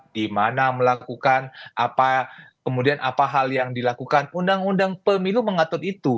dimana melakukan apa kemudian apa hal yang dilakukan undang undang pemilu mengatur itu